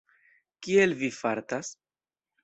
Kiel Vi fartas?